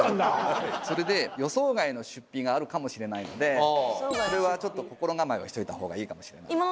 それで予想外の出費があるかもしれないのでそれは心構えをしといた方がいいかもしれない。